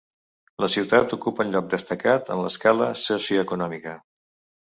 La ciutat ocupa un lloc destacat en l'escala socioeconòmica.